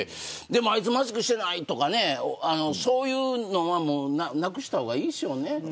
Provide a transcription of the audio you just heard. でもあいつマスクしていないとかそういうのはなくした方がいいですよね。